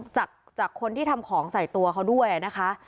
จากคนที่ทำของใส่ตัวเขาด้วยนะคะ